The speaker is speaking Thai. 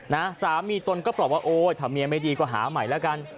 นะสามีตนก็ตอบว่าโอ้ยถ้าเมียไม่ดีก็หาใหม่แล้วกัน